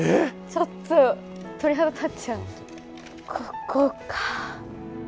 ちょっと鳥肌立っちゃうここか。